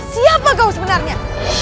siapa kau sebenarnya